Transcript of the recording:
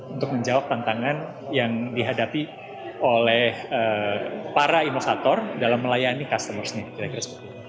untuk menjawab tantangan yang dihadapi oleh para inovator dalam melayani customers ini